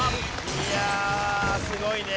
いやあすごいね。